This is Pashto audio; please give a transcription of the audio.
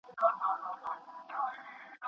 آیا په کور کي له ماشومانو سره پښتو خبرې کوئ؟